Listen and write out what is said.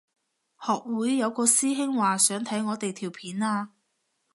學會有個師兄話想睇我哋條片啊